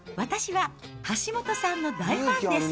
私は、橋下さんの大ファンです。